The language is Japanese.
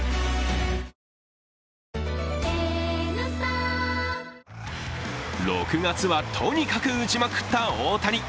「颯」６月はとにかく打ちまくった大谷。